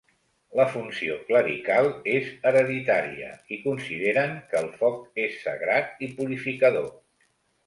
La funció clerical és hereditària i consideren que el foc és sagrat i purificador.